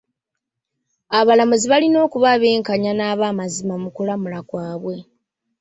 Abalamuzi balina okuba abenkanya n'abamazima mu kulamula kwabwe.